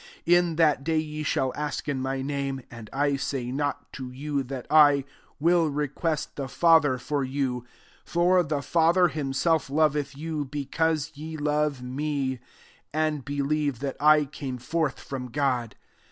26 In that day, ye shall ask in my name ; and 1 say not to you that I will request the Father for you : 27 for the Father him self loveth you, because ye love me, and believe that I came forth from God.